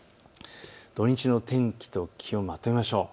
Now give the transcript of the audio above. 土日の天気と気温まとめましょう。